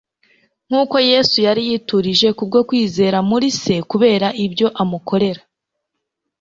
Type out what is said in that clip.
Nk’uko Yesu yari yiturije kubwo kwizera muri Se kubera ibyo amukorera,